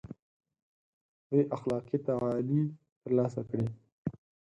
دوی اخلاقي تعالي تر لاسه کړي.